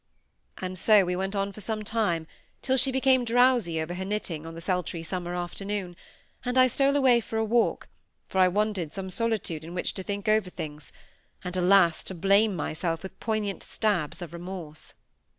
And so we went on for some time, till she became drowsy over her knitting, on the sultry summer afternoon; and I stole away for a walk, for I wanted some solitude in which to think over things, and, alas! to blame myself with poignant stabs of remorse.